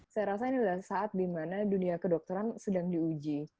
saya rasa ini adalah saat di mana dunia kedokteran sedang diuji